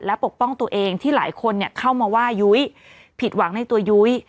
และปกป้องตัวเองที่หลายคนเข้ามาว่ายุ้ยผิดหวังในตัวยุ้ย